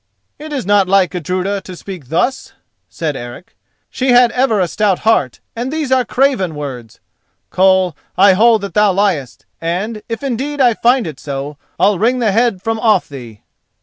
'" "It is not like Gudruda to speak thus," said Eric: "she had ever a stout heart and these are craven words. Koll, I hold that thou liest; and, if indeed I find it so, I'll wring the head from off thee!"